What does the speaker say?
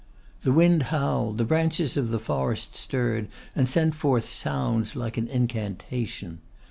The wind howled, the branches of the forest stirred, and sent forth sounds like an incantation.